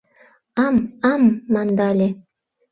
«Ам-ам» мандале.